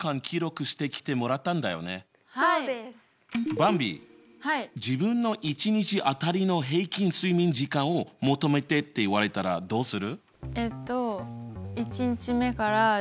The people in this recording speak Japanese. ばんび自分の１日当たりの平均睡眠時間を求めてって言われたらどうする？